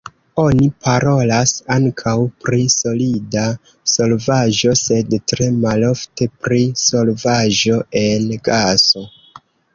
Oni parolas ankaŭ pri solida solvaĵo, sed tre malofte pri solvaĵo en gaso.